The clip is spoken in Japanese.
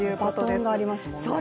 バトンがありますもんね。